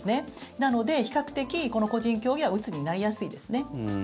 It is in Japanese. なので比較的、個人競技はうつになりやすいですね。